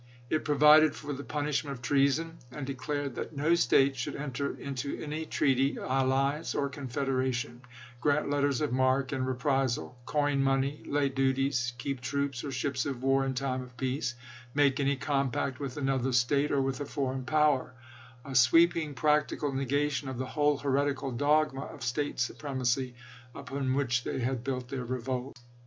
It provided for the punishment of treason; and de clared that no State should enter into any treaty, alliance, or confederation, grant letters of marque and reprisal, coin money, lay duties, keep troops or ships of war in time of peace, make any compact with another State or with a foreign power; — a sweeping practical negation of the whole heretical Ǥ?out dogma of State supremacy upon which they had Rebellion." built their revolt."